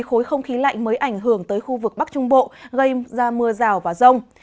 khối không khí lạnh mới ảnh hưởng tới khu vực bắc trung bộ gây ra mưa rào và rông